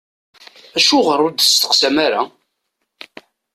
Acuɣer ur d-testeqsayem ara?